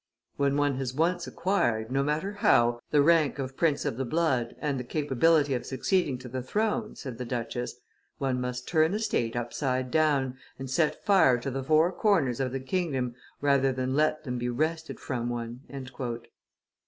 "When one has once acquired, no matter how, the rank of prince of the blood and the capability of succeeding to the throne," said the duchess, "one must turn the state upside down, and set fire to the four corners of the kingdom, rather than let them be wrested from one."